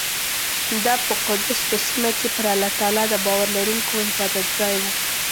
دا په قدس په سیمه کې پر الله تعالی د باور لرونکو عبادتځای و.